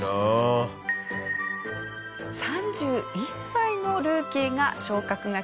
３１歳のルーキーが「オーケー。